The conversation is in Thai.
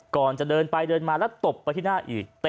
ก่อนจะเดินไปเดินมาแล้วตบไปที่หน้าอีก